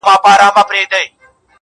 خو لا يې سترگي نه دي سرې خلگ خبري كـوي.